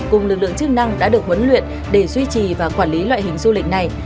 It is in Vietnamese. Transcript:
chức năng đã được huấn luyện để duy trì và quản lý loại hình du lịch này